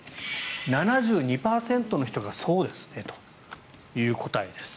７２％の人がそうですねという答えです。